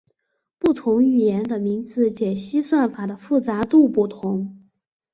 不同语言的名字解析算法的复杂度不同。